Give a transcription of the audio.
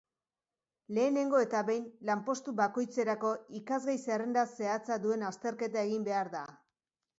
Lehenengo eta behin, lanpostu bakoitzerako ikasgai-zerrenda zehatza duen azterketa egin behar da.